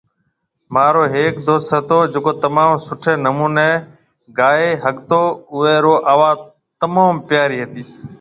ماهرو هيڪ دوست هتو جڪو تموم سٺي نموني گائي ۿگتو اوئي ري آواز تموم پياري هتي